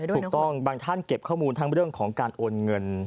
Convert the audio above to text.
ถูกต้องบางท่านเก็บข้อมูลทั้งเรื่องของการโอนเงิน